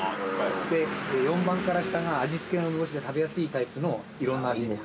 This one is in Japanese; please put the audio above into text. で４番から下が味付けを施した食べやすいタイプのいろんな味。